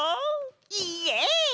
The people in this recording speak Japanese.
イエイ！